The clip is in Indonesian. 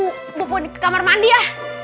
bu bupun ke kamar mandi ya